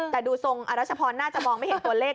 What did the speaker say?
แต่ดูทรงอรัชพรน่าจะมองไม่เห็นตัวเลข